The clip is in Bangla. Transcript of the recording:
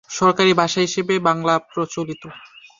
সরকারি ভাষা হিসেবে বাংলা প্রচলিত।